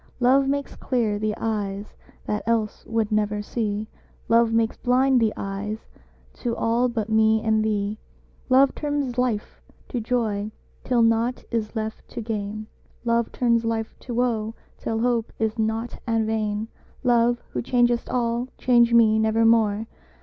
Love makes clear the eyes that else would never see: "Love makes blind the eyes to all but me and thee." Love turns life to joy till nought is left to gain: "Love turns life to woe till hope is nought and vain." Love, who changest all, change me nevermore!